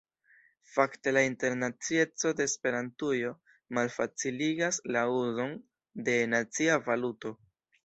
Fakte la internacieco de Esperantujo malfaciligas la uzon de nacia valuto.